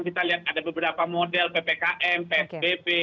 kita lihat ada beberapa model ppkm psbb